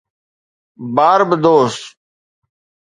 Barbados